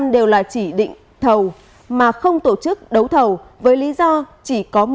một trăm linh đều là chỉ định thầu mà không tổ chức đấu thầu với lý do chỉ có một